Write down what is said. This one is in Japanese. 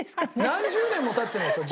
何十年も経ってないですよ。